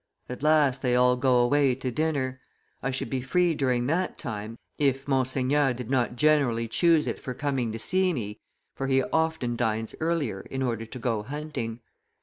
At last they all go away to dinner. I should be free during that time, if Monseigneur did not generally choose it for coming to see me, for he often dines earlier in order to go hunting.